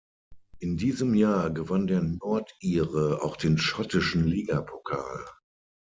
In diesem Jahr gewann der Nordire auch den schottischen Ligapokal.